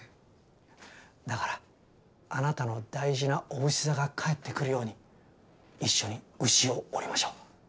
だからあなたの大事なおうし座が帰ってくるように一緒にうしを折りましょう！